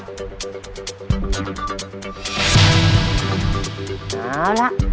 ดีตรงแล้วล่ะ